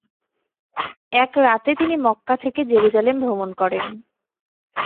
এক রাতে তিনি মক্কা থেকে জেরুজালেম ভ্রমণ করেন।